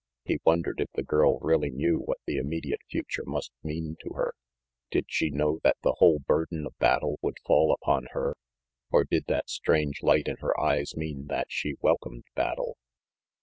He wondered if the girl really knew what the immediate future must mean to her. Did she know that the whole burden of battle would fall upon her? Or did that strange light in her eyes mean that she welcomed battle?